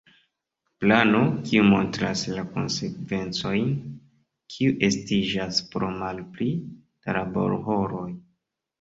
Plano, kiu montras la konsekvencojn kiuj estiĝas pro malpli da laborhoroj.